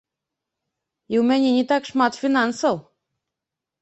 І ў мяне не так шмат фінансаў.